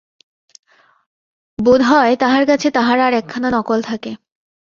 বোধ হয় তাহার কাছে তাহার আর একখানা নকল থাকে।